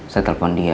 saya telepon dia